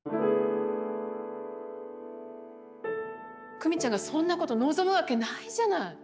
久美ちゃんがそんなこと望むわけないじゃない！